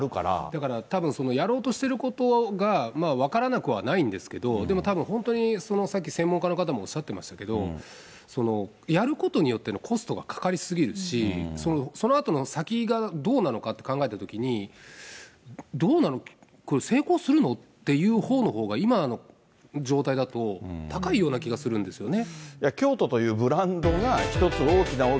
だからたぶん、やろうとしてることが分からなくはないんですけど、でもたぶん、本当にさっき専門家の方もおっしゃってましたけど、やることによってのコストがかかり過ぎるし、そのあとの先がどうなのかって考えたときに、どうなの、これ、成功するの？っていうことのほうが今の状態だと、高いような気がするんですよね。